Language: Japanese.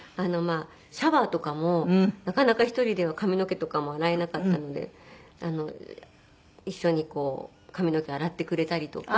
シャワーとかもなかなか１人では髪の毛とかも洗えなかったので一緒に髪の毛洗ってくれたりとか。